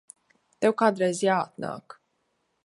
Tev kādreiz jāatnāk.